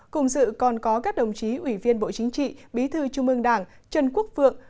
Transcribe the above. cùng dự còn có các đồng chí ủy viên bộ chính trị bí thư trung ương đảng trần quốc vượng